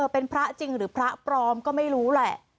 เป็นพระจริงหรือพระปลอมก็ไม่รู้แหละ